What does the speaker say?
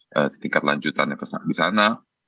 setingkat lanjutannya ke sana